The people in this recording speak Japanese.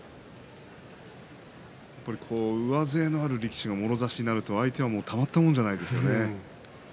やっぱり上背のある力士がもろ差しになると相手はたまったもんじゃないですね。